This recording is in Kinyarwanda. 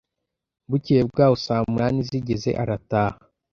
Bukeye bwaho saa munani zigeze arataha